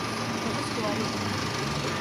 待たせてわりい。